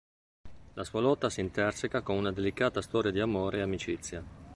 La sua lotta si interseca con una delicata storia di amore e amicizia.